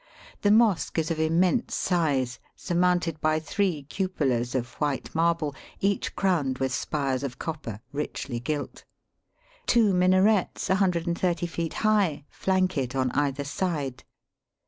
The mosque is of immense size, surmounted by three cupolas of white marble, each crowned with spires of copper Tichly gilt. Two minarets, 130 feet high, flank it on either side.